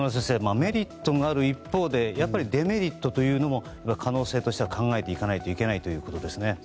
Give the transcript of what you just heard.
メリットがある一方でやっぱりデメリットというのも可能性としては考えていかないといけないということですね。